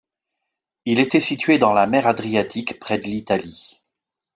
Il était situé dans la mer Adriatique, près de l’Italie.